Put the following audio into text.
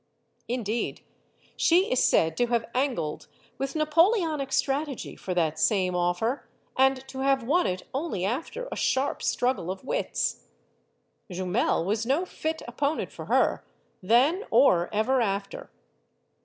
Indeed, she is said to have angled with Napoleonic strategy for that same offer, and to have won it only after a sharp struggle of wits. Jumel was no fit op ponent for her, then or ever after.